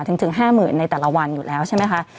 ถึง๕๐๐๐ในแต่ละวันอยู่แล้วใช่ไหมคะ